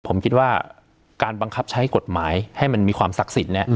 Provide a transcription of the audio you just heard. ผมคิดว่าการบังคับใช้กฎหมายให้มันมีความศักดิ์สิทธิ์